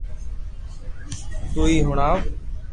تو ھي ھڻاو